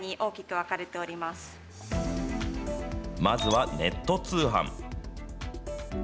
まずはネット通販。